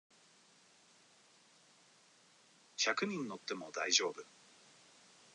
百人乗っても大丈夫